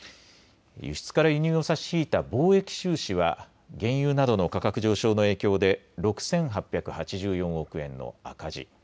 輸出から輸入を差し引いた貿易収支は原油などの価格上昇の影響で６８８４億円の赤字。